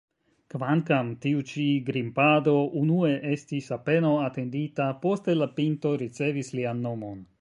Kvankam tiu-ĉi grimpado unue estis apenaŭ atendita, poste la pinto ricevis lian nomon.